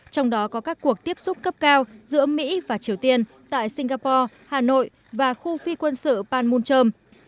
trong đó có các cuộc tiếp xúc cấp cao giữa mỹ và triều tiên tại singapore hà nội và khu phi quân sự panmunjom